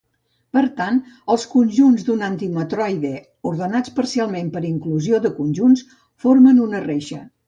Per tant, els conjunts d'un aintimatroide, ordenats parcialment per inclusió de conjunts, formen una reixa.